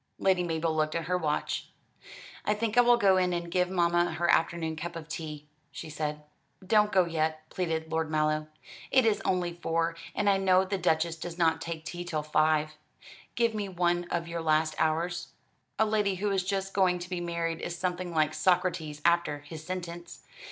Lady Mabel looked at her watch. "I think I will go in and give mamma her afternoon cup of tea," she said. "Don't go yet," pleaded Lord Mallow, "it is only four, and I know the Duchess does not take tea till five. Give me one of your last hours. A lady who is just going to be married is something like Socrates after his sentence.